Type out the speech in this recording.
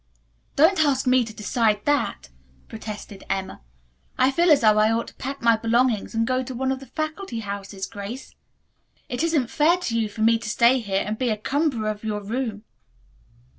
"Don't ask me to decide that," protested Emma. "I feel as though I ought to pack my belongings and go to one of the faculty houses, Grace. It isn't fair to you for me to stay here and be a cumberer of your room."